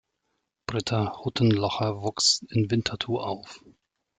Britta Huttenlocher wuchs in Winterthur auf.